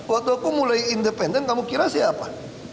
waktu aku mulai independen kamu kira siapa